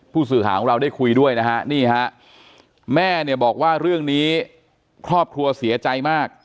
สื่อข่าวของเราได้คุยด้วยนะฮะนี่ฮะแม่เนี่ยบอกว่าเรื่องนี้ครอบครัวเสียใจมาก